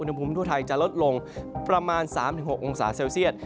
ก็น่าจะมีอันยุทธัยจะลดลงประมาณ๓๖องศาเซลเซียต